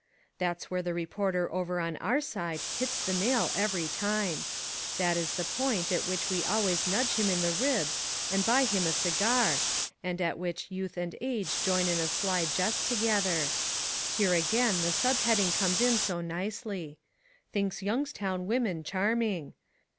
That's where the reporter over on our side hits the nail every time. That is the point at which we always nudge him in the ribs and buy him a cigar, and at which youth and age join in a sly jest together. Here again the sub heading comes in so nicely: THINKS YOUNGSTOWN WOMEN CHARMING.